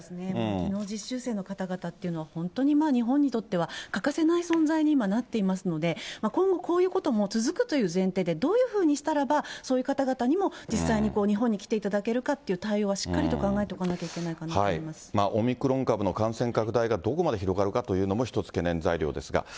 技能実習生の方々というのは、本当に日本にとっては欠かせない存在に今、なっていますので、今後、こういうことも続くという前提で、どういうふうにしたらそういう方々にも実際に日本に来ていただけるかっていう対応はしっかりと考えておかなきゃいけないかなと思オミクロン株の感染拡大がどこまで広がるかというのも一つ、懸念材料ですが。